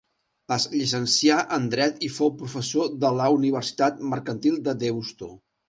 Es llicencià en dret i fou professor a la Universitat Mercantil de Deusto.